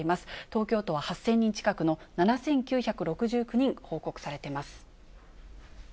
東京都は８０００人近くの７９６９人報告されてます。